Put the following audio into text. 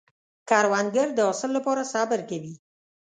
کروندګر د حاصل له پاره صبر کوي